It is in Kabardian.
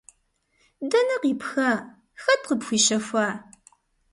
Дэнэ къипха, хэт къыпхуищэхуа?!